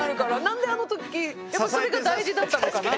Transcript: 何であの時やっぱりそれが大事だったのかな？